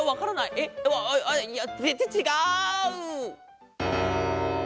えっあっいやぜんぜんちがう！